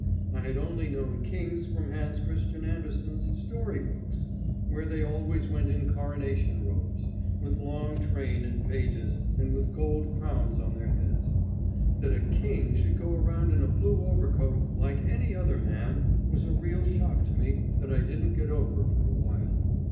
I had only known kings from Hans Christian Andersen's story books, where they always went in coronation robes, with long train and pages, and with gold crowns on their heads. That a king could go around in a blue overcoat, like any other man, was a real shock to me that I didn't get over for a while.